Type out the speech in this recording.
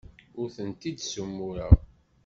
Ur tent-id-ssumureɣ.